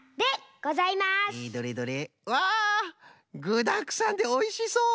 ぐだくさんでおいしそう！